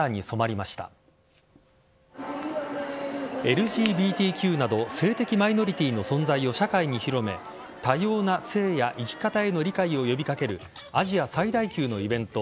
ＬＧＢＴＱなど性的マイノリティーの存在を社会に広め多様な性や生き方への理解を呼び掛けるアジア最大級のイベント